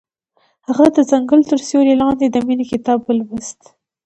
هغې د ځنګل تر سیوري لاندې د مینې کتاب ولوست.